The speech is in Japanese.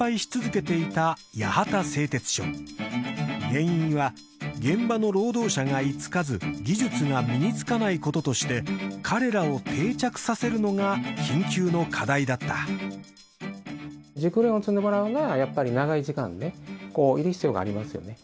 原因は現場の労働者が居つかず技術が身につかないこととして彼らを定着させるのが緊急の課題だった熟練を積んでもらうにはやっぱり長い時間ねこういる必要がありますよね